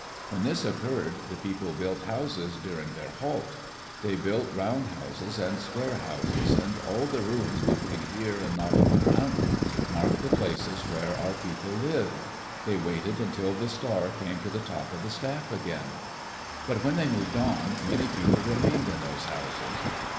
When this occurred, the people built houses during their halt. They built round houses and square houses, and all the ruins between here and Navajo Mountain mark the places where our people lived. They waited until the star came to the top of the staff again, but when they moved on, many people remained in those houses.